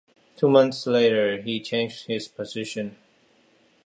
Two months later, he changed his position.